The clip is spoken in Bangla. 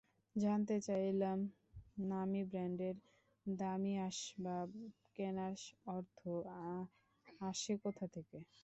জানতে চাইলাম, নামী ব্র্যান্ডের দামি আসবাব কেনার অর্থ আসে কোথা থেকে?